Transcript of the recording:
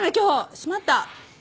しまった。